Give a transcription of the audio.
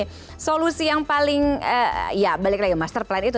tapi solusi yang paling ya balik lagi master plan itu